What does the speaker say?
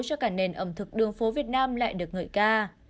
cho cả nền ẩm thực đường phố việt nam lại được ngợi ca